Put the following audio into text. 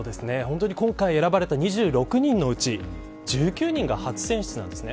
今回選ばれた２６人のうち１９人が初選出なんです。